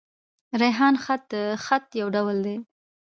ریحان خط؛ د خط يو ډول دﺉ.